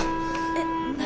えっ何？